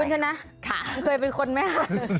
คุณชนะค่ะเคยเป็นคนไหมคะ